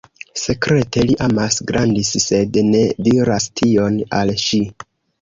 Sekrete li amas Grandis, sed ne diras tion al ŝi.